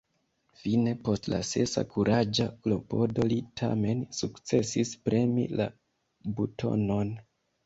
Fine, post la sesa kuraĝa klopodo, li tamen sukcesis premi la butonon.